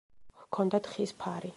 ჰქონდათ ხის ფარი.